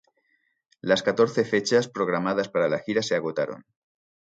Las catorce fechas programadas para la gira se agotaron.